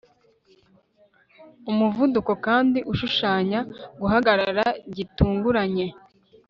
umuvuduko kandi ushushanya guhagarara gitunguranye